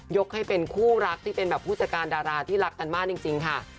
ยกให้เป็นคู่รักที่เป็นแบบผู้จัดการดาราที่รักกันมากจริงค่ะ